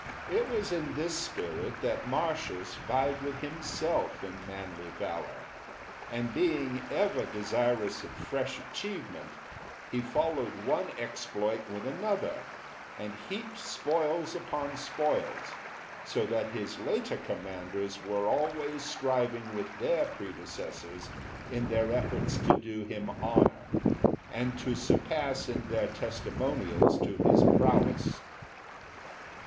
It was in this spirit that Marcius vied with himself in manly valour, and being ever desirous of fresh achievement, he followed one exploit with another, and heaped spoils upon spoils, so that his later commanders were always striving with their predecessors in their efforts to do him honour, and to surpass in their testimonials to his prowess.